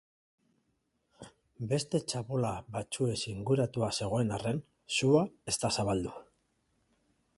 Beste txabola batzuez inguratua zegoen arren, sua ez da zabaldu.